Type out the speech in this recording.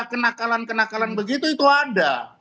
kenakalan kenakalan begitu itu ada